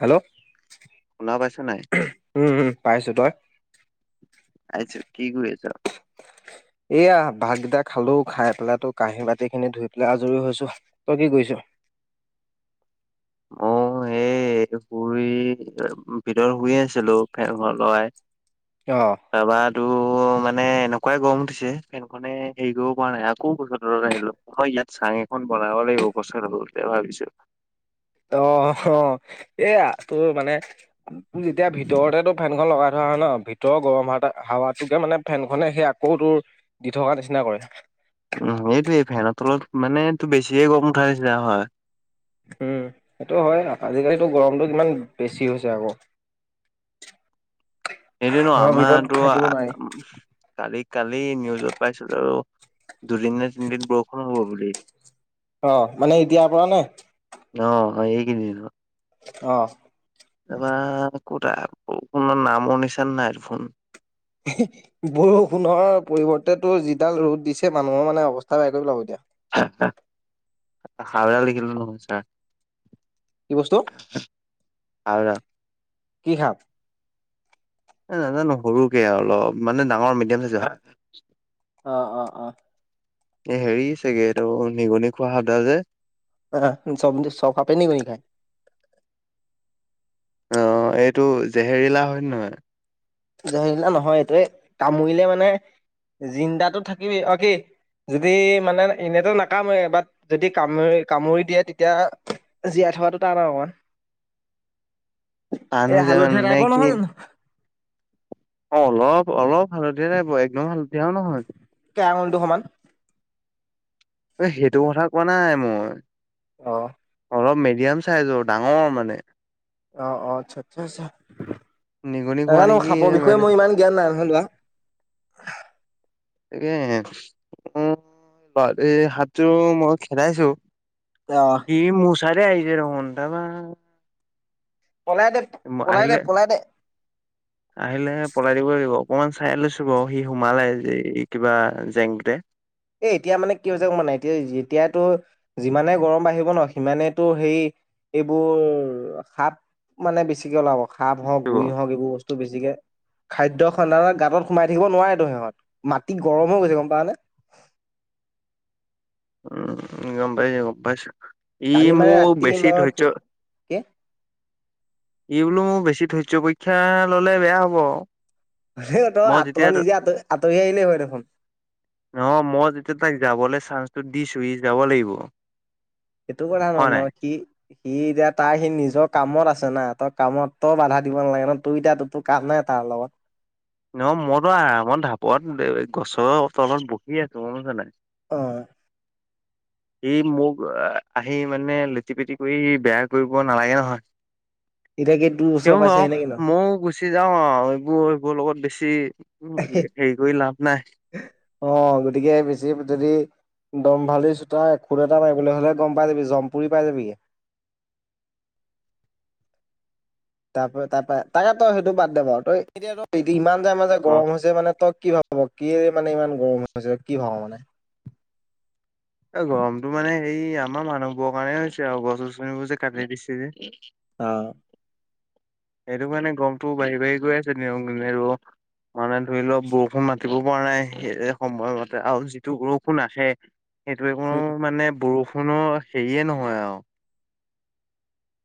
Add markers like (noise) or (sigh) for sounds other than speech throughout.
Hello শুনা পাইছা নাই? উমম পাইছো তই। আছা কি কৰিছ। এয়া বাগকেইটা খালো খাই পেলাই তো কাঁহী বাতি খিনি ধুই পেলাই আজৰি হৈছো তই কি কৰিছো। (unintelligible) এ শুই ভিতৰত শুই আছিলো ফেন খন লগায়। অ তাপাটো। মানে এনেকুৱাই গম উঠিছে ফেনখনে হৰি কৰিব পৰা নাই আকৌ গছৰ তৰত আহিলো মই ইয়াত চাং এখন। বনাব লাগিব পচাৰ হ'ল ভাবিছো। অ অ এইয়া তোৰ মানে যেতিয়া ভিতৰতে তটো ফেনখন লগাই থোৱা। হয় ন ভিতৰৰ গৰম হা হাৱাতোকে মানে ফেনখনে সেই আকৌ তোৰ দি থকা নিচিনা কৰে। উম এইটোই ফেনৰ তলত মানেটো বেছিয়ে গম উঠাইছিলে হয়। উম সেইটো হয় আজিকালো গৰমটো কিমান বেছি হৈছে আকৌ। সটো নো ঘৰৰ ভিতৰত আমাৰতো থাকিব নোৱাৰি কালি। কালি নিউজত পাইছিলো আৰু দুদিন নে তিনদিন বৰষুণ হ'ব বুলি। অ মানে এতিয়াৰ পৰা নে। অ এই কেইদিনত। অ। এবাৰ কটাখোননৰ নামো নিচান নাই ফোন। বৰষুণৰ পৰিৱৰ্তে যিডাল ৰ'দ দিছে মানুহৰ মানে অৱস্থা বেয়া কৰিব লাগব এ দিয়া। হাৱলা লিখিলো নহয় ছাৰ। কি বস্তু। আও ৰাও। কি সাপ। নাজানো সৰুকে অলপ মানে ডাঙৰ মিডিয়াম চাইজ। অ অ অ। হেৰি চাগে এইটো নিগনি খোৱা সদাৰ যে। আহ চব চব খাপেনি কনি খাই। আহ এইটো জেহেৰিলা হয় নহয়। জহলা নহয় এই তোৱে কামুৰিলে মানে জিন্দাটো থাকিবি অ কি। যদি মানে এনেতো নাকামৰে বাট যদি কামুৰি কামুৰি দিয়ে তেতিয়া জাই। থোৱাতটো টান আও অকণমান। আনো যেমান নে টাইপৰ কি। নহয় জানো অ অলপ অলপ হালধীয়া নাই ব একদম হালধীয়াও নহয়। আঙুলি টো সমান এ সেইটো কথা কোৱা নাই মই আহ অলপ মিডিয়াম চাইজৰ ডাঙৰ মানে অ অ আচ্ছা আচ্ছা আচ্ছা নিগনি খোৱা নাজানো নেকি সাপৰ বিষয়ে মানে মই ইমান জ্ঞান নাই হলোৱা তাকে ল সাপটো মই খেদাইছো অ'। কি মচাৰে আাই যেৰে হন দ বা পলাই দে পলাই দে পলাই দে আহিলে পলাই দিব লাগিব অকনমান চাই লৈছো বাৰ সি সুমালে কিবা জেংকতে এ এতিয়া মানে কি হৈ হৈছে ক নাই এতিয়া এতিয়াতো যিমানে গৰম বাঢ়িব ন সিমানেই তো সেই এইবোৰ সাপ মানে বেছিকে ওলাব সাপ হওঁক গুৰি হওঁক এইবোৰ বস্তু বেছিকে খাদ্য সন্ধানত গাঁত সোমাই থাকিব নোৱাৰে তো সিহঁত মাটি গৰম হৈ গৈছে গম পাও নে উম গম পাইছোঁ গম পাইছোঁ ই কালি মানে মোৰ ৰাতি বেছি মই ধৈছ কি এই বোলো মোৰ বেছি ধৈৰ্য্য পৰীক্ষা ললে বেয়া হব। তই মই আঁতৰ যেতিয়া নিজে আঁত আঁতৰি আহিলেই হয় দেখোন অ মই যেতিয়া তাক যাবলৈ চ চানসটো দিছোহি যাব লাগিব। সেইটো কথা নহয় হয় ন নাই সি সি এতিয়া তাৰ সি নিজৰ কামত আছে নাই তই কামত ত বাধা দিব নালাগে ন তোৰ এতিয়া তোৰ কাম নাই তাৰ লগত ন মইতো আৰামত ঢাপত গছৰ তলত বহি আছো বুজিছা নাই আহ সি মোক আহি মানে লেটি পেটি কৰি বেয়া কৰিব নালাগে নহয় এতিয়া কি তোৰ ওচৰ কিয় বাৰ পাইছেহি নে কি ন মইও গুচি যাওঁ আৰু এইবোৰ এইবোৰ লগত বেছি হেৰি কৰি লাভ নাই অ গতিকে বেছি যদি দম্ভালি চোতা এখুট এটা মাৰিবলৈ হ'লে গম পাই যাবি জমপুৰি পাই যাবি গে (inaudible) তাৰ পৰা তাৰ পৰা তাকে তই সেইটো বাদ দে ব আৰু তই এতিয়া ইমান যোয় মাজ যে গ গৰম হৈছে মানে তই কি ভাব হ'ব কি মানে ইমান গৰম হৈছিল কি ভাওঁ মানে এ গৰমতটো মানে সেই আমাৰ মানুহবোৰৰ কাৰণে হৈছে আৰু গছৰনিবোৰ যে কাটি দিছে যে। অ সেইটো মানে গমটো বাঢ়ি বাঢ়ি গৈ আছে ৰ মানে ধৰি লওক বৰষুণ মাতিব পৰা নাই স সময়মতে আৰু যিটো বৰষুণ আহে সেইটো একোনো উম মানে বৰষুণৰ হেৰিয়ে নহয় আৰু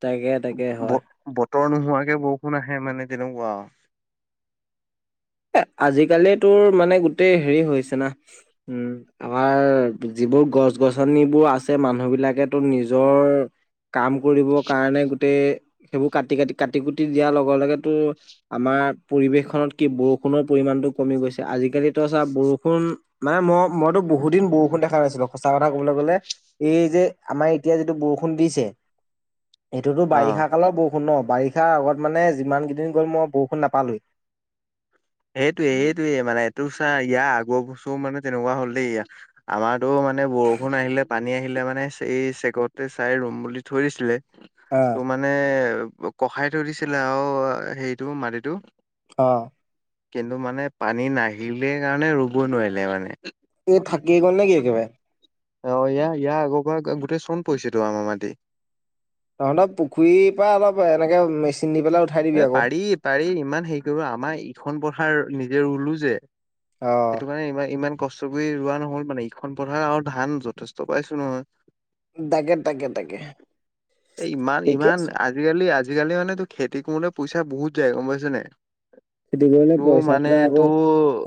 তাকে তাকে হয় উত্তৰ নোহোৱাকে বৰষুণ আহে মানে তেনেকুৱা আজিকালি তোৰ মানে গোটেই হেৰি হৈছে না উম আমাৰ যিবোৰ গছ গছনিবোৰ আছে মানুহ বিলাকেতো নিজৰ কাম কৰিবৰ কাৰণে গোটেই সেইবোৰ কাটি কাটি কাটি কুটি দিয়াৰ লগে লগেটো আমাৰ পৰিবেশখনত কি বৰষুণ বৰষুণৰ পৰিমাণতো কমি গৈছে। আজিকালি তই চা বৰষুণ মানে মইতো বহু দিন বৰষুণ দেখা নাছিলো। সঁচা কথা কবলৈ গলে এই যে আমাৰ এতিয়া যিটো বৰষুণ দিছে। (inaudible) এইটোতো অ বাৰিষা কালৰ বৰষুণ ন বাৰি ক্ষা আগত মানে যিমান কেইদিন গ'ল মই বৰষুণ নাপালোঁ। সেইটোয়ে সেইটোৱে মানে এইটো চা ইয়াৰ আগৰ বছৰ মানে তেনেকুৱা হ'ল দেই আমাৰ তটো মানে বৰষুণ আহিলে পানী আহিলে মানে এই চেকতে চাই ৰুম বুলি থৈ দিছিলে। অ'। তোৰ মানে কষাই থৈ দিছিলে আৰু হেৰিটো মাটিতটো অ। কিন্তু মানে পানী নাহিলে কাৰণে ৰুব নোৱাৰিলে মানে। এই থাকি গল নেকি একেবাৰে? অ ইয়াৰ ইয়াৰ আগৰ পৰা গোটেই চোন পৰিছেতো আমাৰ মাটি। তহঁত পুখুৰীৰ পৰা অলপ এনেকে মেচি এ পাৰি পাৰি ইমান হেৰি কৰিব আমাৰ ইখন পথাৰ নিজে ৰুলো যে। অ সেইটো কাৰণে ইমান ইমান কষ্ট কৰি ৰোৱা নহ'ল মানে ইখন পথাৰ আৰু ধান যথেষ্ট পাইছো নহয়। তাকে তাকে তাকে এ ইমান ঠিকে ইমান আছে আজিকালি আজিকালি মানে মূলে পইচা বহুত যায় গম পাইছে নাই? খেতি কৰিলে তোৰ পইচা মানে যায় আকৌ তোৰ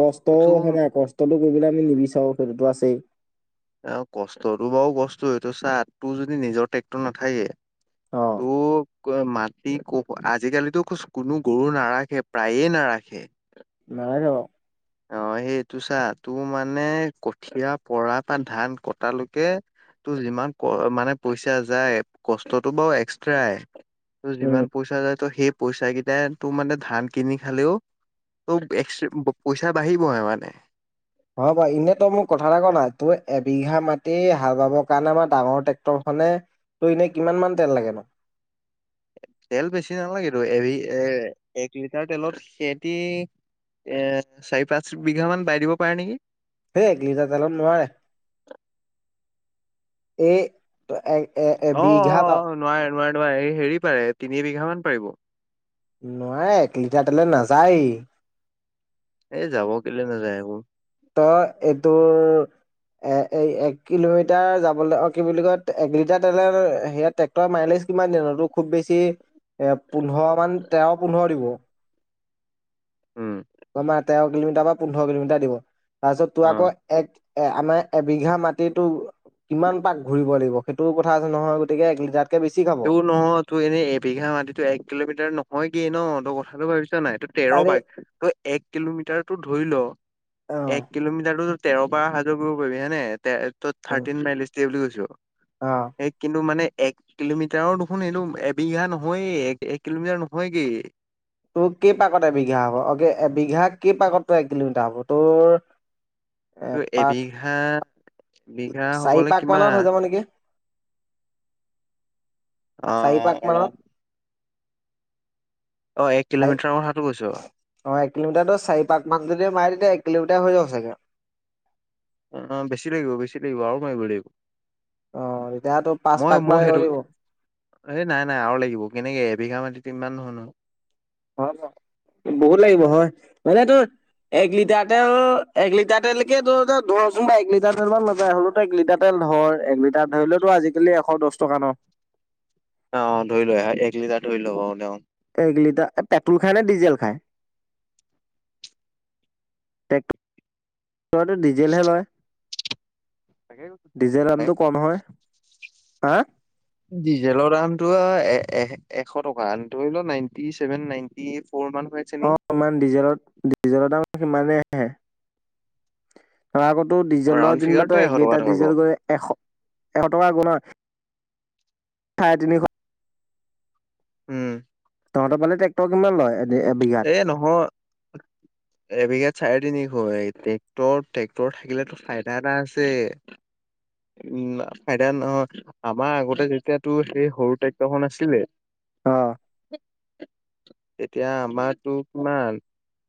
কষ্টও তোৰ হয়নে নাই কষ্টটো কৰিবলে আমি নিবিচাৰো। সেইটোতো আছেই। অ কষ্টটো বাৰু কষ্টই, এইটো চা টোৰ যদি নিজৰ ট্ৰেক্টৰ নাথাকে, অ। তোক মাটি ক আজিকালিতো কোনো গৰু নাৰাখে প্ৰায়ে নাৰাখে। নালাগে বাৰু অ সেইটো চা তোৰ মানে কঠীয়া পৰা বা ধান কটালৈকে ত যিমান ক মানে পইচা যায় কষ্টটো বাৰু এক্সট্ৰাই তোৰ উম যিমান পইচা যায় সেই পইচা কেইটাই তোৰ মানে ধান কিনি খালেও ত এক পইচা বাঢ়িবহে মানে। হয় বাৰু এনেই তই মোক কথা এটা ক না, তোৰ এবিঘা মাটি হাল বাবৰ কাৰণে আমাৰ ডাঙৰ ট্ৰেক্টৰ খন মানে তই এনে কিমান মান তেল লাগে নো? (inaudible) তেল বেছি নালাগেতো এ এ এক লিটাৰ তেলত সেতি এ চাৰি পাঁচ বিঘা মান বাই দিব পাৰে নেকি? সেই এক লিটাৰ তেলত নোৱাৰে এই এক অ অ নোৱাৰে নোৱাৰে নোৱাৰে হেৰি পাৰে তিনি বিঘা মান পাৰিব। নোৱাৰে এক লিটাৰ তেলত নাযায়য়েই। এই যাব কেলে নাযায় আকৌ। ত এইটো এ এক কিলোমিটাৰ যাবলৈ অ কি বুলি কয় এক লিটাৰ তেল সেয়া ট্ৰেক্টৰ মাইলেজ কিমান দিনৰ খুব বেছি এ পোন্ধৰ মান তেৰ পোন্ধৰ দিব। উম। অ মাৰ তেৰ কিলোমিটাৰ বা পোন্ধৰ কিলোমিটাৰ দিব তাৰপিছত তোৰ অ আকৌ এক এ আমাৰ এবিঘা মাটিতো কিমান পাক ঘূৰিব লাগিব সেইটোও কথা আছে নহয়। গতিকে এক লিটাৰ তোৰ নহয় তোৰ এনেই এবিঘা মাটিতো এক কিলোমিটাৰ নহয়গেই ন তই কথাটো ভাবিছা নাই। তেৰ তাৰে বাগ ত এক কিলোমিটাৰটো ধৰি ল অ এক কিলোমিটাৰটো তেৰ বাৰ অহা যোৱা কৰিব পাৰিবি হয় নাই তে ত উম, থাৰ্টিন মাইলেছ দিয়ে বুলি কৈছ। অ সেই কিন্তু মানে এক কিলোমিটাৰৰ দেখোন এইটো এবিঘা নহয়ে এক এক কিলোমিটাৰ নহয়গেই। তোৰ কি পাকত তোৰ এক কিলোমিটাৰ হ'ব তোৰ। এ পাক এবিঘা বিঘা চাৰি হবলৈ পাক মানত কিমান হৈ যাব নেকি? চাৰি পাক মানত অ। অ' এক চাৰি কিলোমিটাৰৰ কথাটো কৈছ অ এক কিলোমিটাৰটো চাৰি পাক মান যদি মাৰ। তেতিয়া এক কিলোমিটাৰ হৈ যাব চাগে। অ বেছি লাগিব বেছি লাগিব আৰু মাৰিব লাগিব। অ। তেতিয়াতো পাঁচ মই পাক মান মই আহিব সেইটো লাগিব এই নাই নাই আৰু লাগিব কেনেকে এবিঘা মাটিত। মান নহয় নহয়। হয় বহুত লাগিব হয় মানে তোৰ। এক লিটাৰ তেল এক লিটাৰ তেলকে ধৰচোন বা এক লিটাৰ তেল মান নাযায় হ'লো তোৰ এক লিটাৰ তেল। ধৰ এক লিটাৰ ধৰি ললেওতো আজিকালি এশ দহ টকা ন। অ ধই লোৱা এক লিটাৰ ধৰি লব দে। লিটাৰ পেট্ৰল খায় নে ডিজেল খায়। টেক্টটো ডিজেলহে লয়। তাকে কৈছো। ডিজেল হে, দামটো কম হয় হা। ডিজেলৰ দামটো এ এশ টকা ধৰিল লোৱা নাইনটি চছেভেন নাইনটি এইট। অ ইমান ডিজেলত ডিজেলৰ দাম সিমানেই আহে আ। ডিজেলৰ ৰাউণ্ড ফিগাৰটো যেনিবা এশ এক টকা লিটাৰ ধৰব ডিজেল গৈ এশ এশ টকা গুণ হয়। চাৰে তিনিশ। উম। তহতৰ ফালে টেক্টৰ কিমান লয়। এ এবিঘাত? এ নহয় এবিঘা। চাৰে তিনিশ ট্ৰেক্ট ট্ৰেক্টৰ থাকিলেতো ফাইদা এটা আছে উম ফাইদ নহয় আমাৰ আগতে যেতিয়াতো সেই সৰু ট্ৰেক্টৰখন আছিলে। অ'। এতিয়া আমাৰো তো কিমান।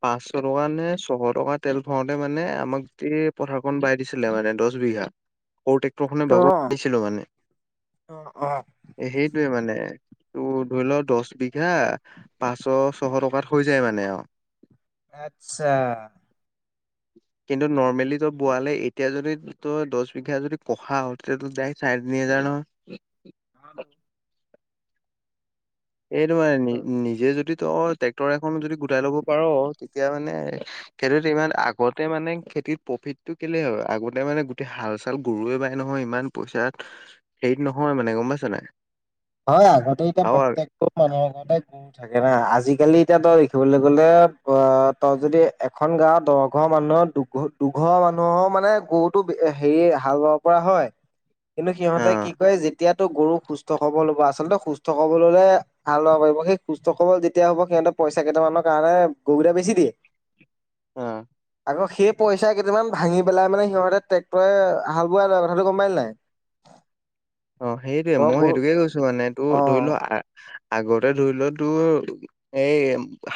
পাঁচশ টকা নে ছশ টকা তেল ভৰাওঁতে মানে আমাক যে পথাৰখন বাই দিছিলে মানে দহ। দুহ। সৰু ট্ৰেক্টৰ খনে বাব অ', পাৰিছিলো মানে অ', অ', সেইটোৱে মানে। ত ধৰি লও দহ বিঘা পাঁচশ ছশ টকাত হৈ যায় মানে অ। আত্ছা। কিন্তু নৰ্মেলি তোৰ বোৱালে এতিয়া যদি ত দহ বিঘা যদি কঢ়াও তেতিয়া দাইৰেক্ট চাৰি তিনি। কি জানো। হটো। এইটো মানে নি নিজে যদি। ত ট্ৰেক্টৰ এখনো যদি গোটাই লব পাৰ তেতিয়া মানে সেইটো ইমান আগতে মানে। খেতিত প্ৰফিত টো কেলে হয় আগতে মানে গোটেই হাল চাল গৰুৱে বাই নহয় ইমান পইচাত হে। নহয় মানে গম পাইছ নাই। হয় আগতেই আৰু আগ- প্ৰত্যেক। মানুহৰ ঘৰতে থাকে ন আজিকালি এতিয়া তই দেখিবলৈ গ'লে অ তই যদি এ। এখন গাঁৱত দহঘৰ মানুহৰ দুঘ দুঘৰ মানুহৰ মানে গৰুটো হেৰি হাল বাব পৰা হয়। কিন্তু অ সিহঁতে কি ক যেতিয়াতটো গৰু সুস্থ। খবৰ ল'ব আচলতে সুস্থ সবল হলে হাল বাব পাৰিব সুস্থ সবল যেতিয়া হ'ব সিহঁতে পইচা কেইটামানৰ কাৰণ। গৰুকেইটা বেছি দিয়ে অ। আকৌ সেই পইচা কেইামান ভাঙি পেলাই মানে সিহঁতে ট্ৰেক্টৰে হাল বোৱা ল কথাটো গম পালি নাই। অ সেইটোৱে তই মই গৰু সেইটোকে কৈছো মানে তোৰ অ'। ধৰিলোৱা আহ আগতে ধৰি লোৱাতো এ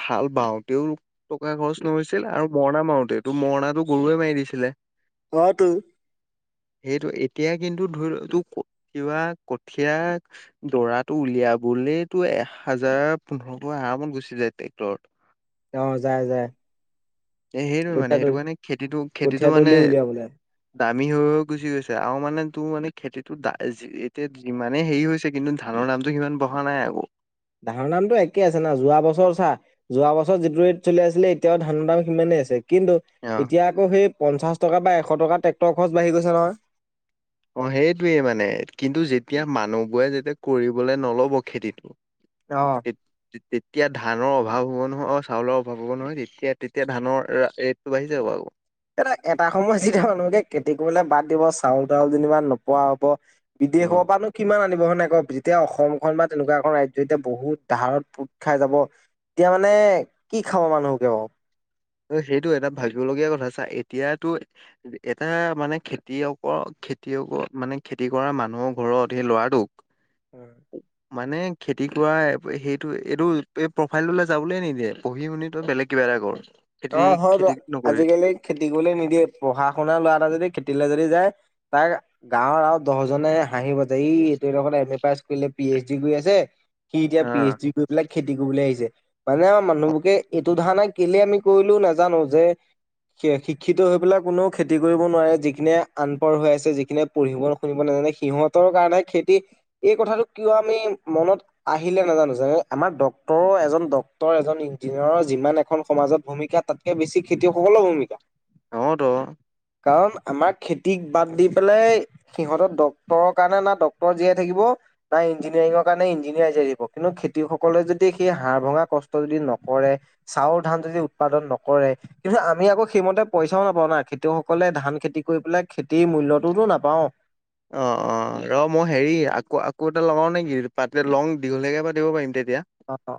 হাল বাওঁতেও টকা খৰচ নহৈছে। ছিল আৰু মৰণা মাৰোতে তটো মৰণাটো গৰুৱে মাৰি দিছিলে। হয়টো সেইটো এতিয়া কিন্তু ধৰি তোক কিবা কঠীয়া দৰাটো উলিয়াবলেতো এ হাজাৰ পোন্ধৰশ আৰামত ঘুচি যায় টেক্টৰত অ যাই যাই এ সেইটো মানে সেইটো কাৰণে খেতিটো খেতিটো কঠীয়া মানে তলি উলিয়াবলে। দামী হৈ গুচি গৈছে আৰু মানে তোৰ মানে খেতিটো এতিয়া যিমানে হেৰি হৈছে কিন্তু ধানৰ দা দামটো সিমান বঢ়া নাই আক ধানৰ দামটো একে আছে না যোৱা বছৰ চা যোৱা বছৰ যিটো ৰেট চলি আছিলে এতিয়াও ধানৰ দাম সিমানেই আছে কিন্তু অ এতিয়া আকৌ সেই পঞ্চাশ টকা বা এশ টকা ট্ৰেক্টৰ খৰচ বাঢ়ি গৈছে নহয় অ সেইটোৱেই মানে কিন্তু যেতিয়া মানুহবোৰে যেতিয়া কৰিবলে নলব খেতিটো অ'। তেতিয়া ধানৰ অভাৱ হ'ব নহয় অ চাউলৰ অভাৱ হ'ব নহয় তেতিয়া তেতিয়া ধানৰ ৰেটটো বাঢ়ি যাব আও এ এটা সময়ত যেতিয়া মানুহকে খেতি কৰিলে বাদ দিব চাউল তাউল যেনিবা নোপোৱা হব অ বিদেশৰ পানো কিমান আনিব হয় নে যেতিয়া অসমখন বা তেনেকুৱা এখন ৰাজ্য যেতিয়া বহুত ধাৰত পোট খাই যাব এতিয়া মানে কি খাব মানুহকে বাও অ সেইটো এটা ভাবিব লগীয়া কথা চা এতিয়াতো এটা মানে খেতিয়কৰ খেতিয়কৰ মানে খেতি কৰা মানুহৰ ঘৰত সেই লৰাটোক উম মানে খেতি কৰা সেইটো এইটো এই প্ৰফাইল লে যাবলৈ নিদিয়ে পঢ়ি শুনি তো বেলেগ কিবা ডাঙৰ অ হয় আজিকালি খেতি কৰিবলে নিদিয়ে পঢ়া শুনা ল'ৰা এটা যদি খেতিলৈ যদি যায় তাই গাঁৱৰ আৰু দহজনে হাঁহিব ই এইটো এম এ পাছ কৰিলে পি এইচ ডি কৰি আছে সি এতিয়া অ পি এইচ ডি কৰি পেলাই খেতি কৰিবলৈ আহিছে মানে আমাৰ মানুহবোকে এইটো ধাৰণা কেলে আমি কৰিলো নাজানো যে স শিক্ষিত হৈ পেলাই কোনেও খেতি কৰিব নোৱাৰে যিখিয়ে আনপঢ় হৈ আছে যিখিনিয়ে পঢ়িব শুনিব না যে সিহঁতৰ কাৰণে খেতি এই কথাটো কিয় আমি মনত আহিলে নাজানো জা আমাৰ ডক্তৰো এজন ডক্তৰ এজন ইঞ্জিনিয়াৰৰ যিমান এখন সমাজত ভূমিকা তাতকে বেছি খেতিয়কসকলৰ ভূমিকা অ তহ কাৰণ আমাৰ খেতিক বাদ দি পেলাই সিহঁতৰ ডক্তৰৰ কাৰণে না ডক্তৰ জীয়াই থাকিব নাই ইঞ্জিনিয়াৰিঙৰ কাৰণে ইঞ্জিনিয়াৰ‌ জিয়াই থাকিব কিন্তু খেতিয়ক সকলে যদি সেই হাড় ভঙা কষ্ট যদি নকৰে, চাউল, ধান যদি উৎপাদন নকৰে কিন্তু আমি আকৌ সেইমতে পইচাও নাপাওঁ না খেতিয়কসকলে ধান খেতি কৰি পেলাই খেতিৰ মূল্যতোতো নাপাওঁ অ অ ৰ মই হেৰি আকৌ আকৌ এটা লগাও নেকি পা লং দীঘলীয়াকে পাতিব পাৰিম তে অ অ